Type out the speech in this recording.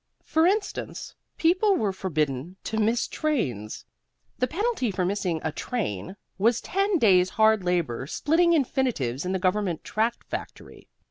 For instance, people were forbidden to miss trains. The penalty for missing a train was ten days' hard labor splitting infinitives in the government tract factory.